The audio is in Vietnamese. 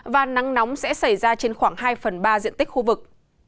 và nắng nóng sẽ xảy ra trên khoảng hai phần ba diện tích khu vực